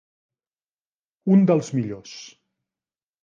Un dels millors.